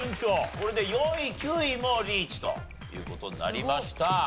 これで４位９位もリーチという事になりました。